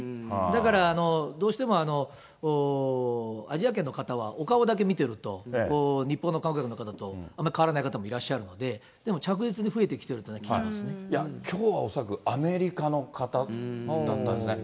だから、どうしてもアジア圏の方はお顔だけ見てると、日本の観光客の方とあんまり変わらない方も多いので、でも、着実きょうは恐らくアメリカの方だったですね。